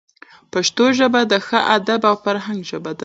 پښتو ژبه د ښه ادب او فرهنګ ژبه ده.